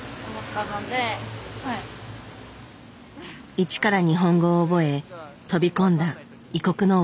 一から日本語を覚え飛び込んだ異国のお笑い界。